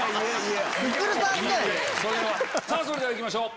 それではいきましょう。